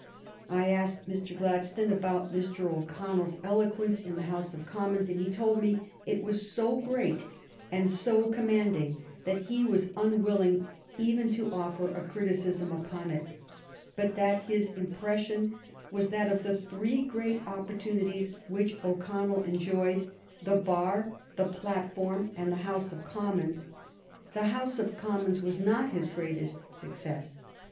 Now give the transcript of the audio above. I asked Mr. Gladstone about Mr. O'Connell's eloquence in the House of Commons, and he told me it was so great and so commanding that he was unwilling even to offer a criticism upon it, but that his impression was that of the three great opportuni ties which O'Connell enjoyed, the bar, the plat form, and the House of Commons, the House of GLADSTONE'S FIRST PARLIAMENT 39 Commons was not his greatest success.